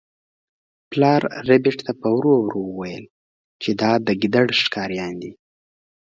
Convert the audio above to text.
پلار ربیټ په ورو وویل چې دا د ګیدړ ښکاریان دي